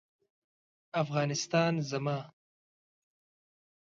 افغانستان زما